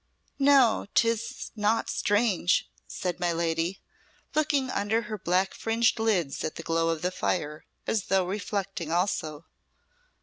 "No, 'tis not strange," said my lady, looking under her black fringed lids at the glow of the fire, as though reflecting also.